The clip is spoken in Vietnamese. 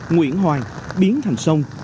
nguyễn hoài biến thành sông